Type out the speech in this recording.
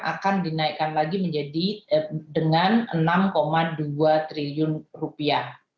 akan dinaikkan lagi menjadi dengan enam dua triliun rupiah